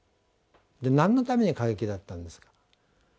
何のために過激だったんですか。